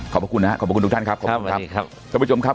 ครับคุณทุกท่านครับครับครับครับครับกระปุแลนด์ครับ